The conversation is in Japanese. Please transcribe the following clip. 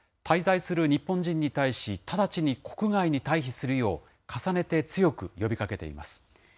滞在する日本人に対し、直ちに国外に退避するよう、重ねて強く呼びかけています。